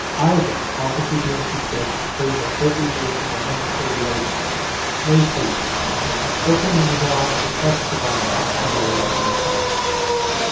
Ivan, obviously doing his best to save her every minute of unnecessary labor, made haste, opening his arms to clutch the bundle and lay it in the cart.